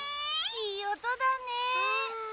いいおとだね。